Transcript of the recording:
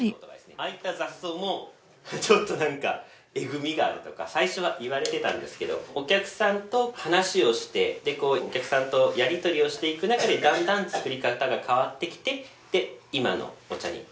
ちょっとなんかえぐみがあるとか最初は言われてたんですけどお客さんと話をしてお客さんとやりとりをしていくなかでだんだん作り方が変わってきてで今のお茶になったんですね。